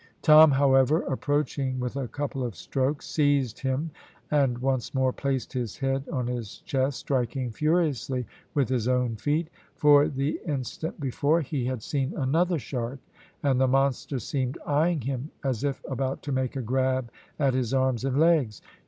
Tom, however, approaching with a couple of strokes, seized him, and once more placed his head on his chest, striking furiously with his own feet; for the instant before he had seen another shark, and the monster seemed eyeing him as if about to make a grab at his arms and legs.